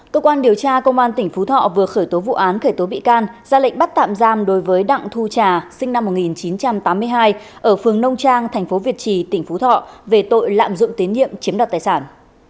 cơ quan điều tra công an tỉnh phú thọ vừa khởi tố vụ án khởi tố bị can ra lệnh bắt tạm giam đối với đặng thu trà sinh năm một nghìn chín trăm tám mươi hai ở phường nông trang tp việt trì tỉnh phú thọ về tội lạm dụng tín nhiệm chiếm đoạt tài sản